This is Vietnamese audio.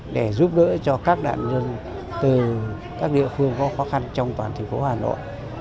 để giúp đỡ cho các nạn nhân từ các địa phương có khó khăn trong toàn thành phố hà nội